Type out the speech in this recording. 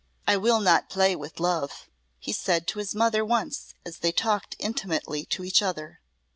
"I will not play with love," he said to his mother once as they talked intimately to each other.